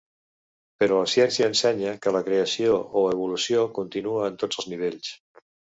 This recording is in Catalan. Però la ciència ensenya que la creació o evolució continua en tots els nivells.